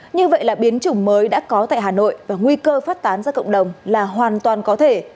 như vậy là biến chủng mới đã có tại hà nội và nguy cơ phát tán ra cộng đồng là hoàn toàn có thể